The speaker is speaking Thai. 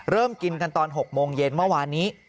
เริ่มกินกันตอน๖โมงเย็นเมื่อวานนี้